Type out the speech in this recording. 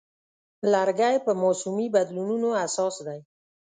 لرګی په موسمي بدلونونو حساس دی.